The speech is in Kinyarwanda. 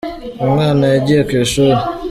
umwana yagiye kwishuri.